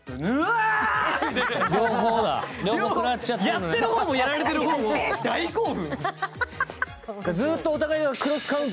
やってる方もやられてる方も大興奮。